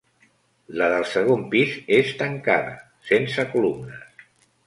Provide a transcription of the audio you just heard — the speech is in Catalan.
La del segon pis és tancada, sense columnes.